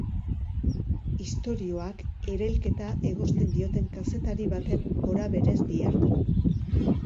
Istorioak erailketa egozten dioten kazetari baten gorabeherez dihardu.